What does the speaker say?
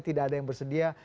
tidak ada yang bersedia